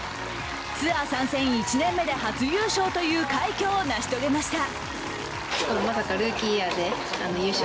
ツアー参戦１年目で初優勝という快挙を成し遂げました。